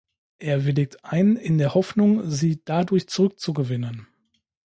Er willigt ein in der Hoffnung, sie dadurch zurückzugewinnen.